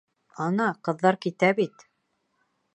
Ана, ҡыҙҙар китә бит.